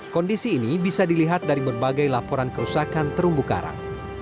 kondisi ini bisa dilihat dari berbagai laporan kerusakan terumbu karang